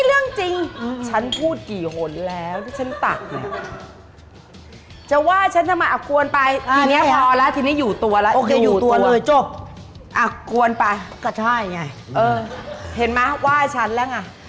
รูปว่าฉันแล้งอ่ะ